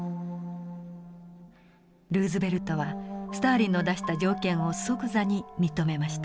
ルーズベルトはスターリンの出した条件を即座に認めました。